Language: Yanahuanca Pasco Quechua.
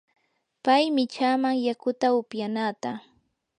pay michaaman yakuta upyanaata.